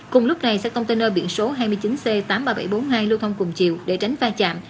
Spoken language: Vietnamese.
cùng lúc này xe container biển số hai mươi chín c tám mươi ba nghìn bảy trăm bốn mươi hai lưu thông cùng chiều để tránh va chạm